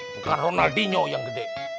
bukan ronaldinho yang gede